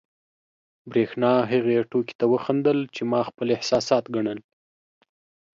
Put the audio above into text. برېښنا هغې ټوکې ته وخندل، چې ما خپل احساسات ګڼل.